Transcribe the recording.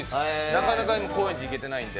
なかなか高円寺行けてないんで。